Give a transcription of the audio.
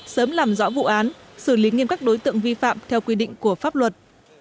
sớm làm rõ vụ án xử lý nghiêm các đối tượng vi phạm theo quy định của pháp luật